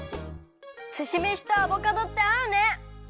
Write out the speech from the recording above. すしめしとアボカドってあうね！